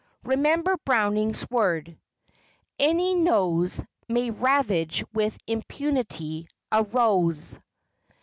Remember Browning's word, "Any nose May ravage with impunity a rose."